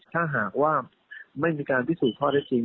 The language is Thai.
ถ้าหากว่าไม่มีการพิสูจน์ข้อได้จริง